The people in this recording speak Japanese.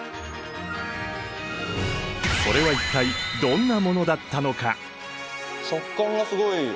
それは一体どんなものだったのか！？